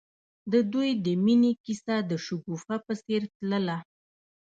د دوی د مینې کیسه د شګوفه په څېر تلله.